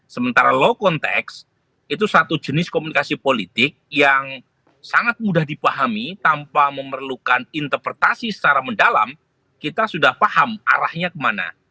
sementara low context itu satu jenis komunikasi politik yang sangat mudah dipahami tanpa memerlukan interpretasi secara mendalam kita sudah paham arahnya kemana